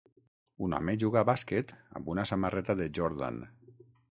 Un home juga a bàsquet amb una samarreta de Jordan.